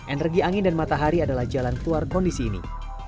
energi angin dan matahari adalah jalan keluar kondisi ini